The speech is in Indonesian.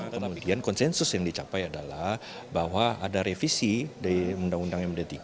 kemudian konsensus yang dicapai adalah bahwa ada revisi dari undang undang md tiga